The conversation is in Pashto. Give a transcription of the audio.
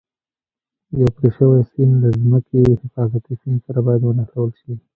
یو پرې شوی سیم د ځمکې حفاظتي سیم سره باید ونښلول شي.